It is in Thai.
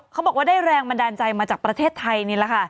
ของบ้านเราไม่ใส่ไม่เชื่อเหรอ